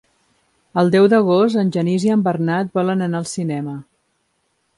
El deu d'agost en Genís i en Bernat volen anar al cinema.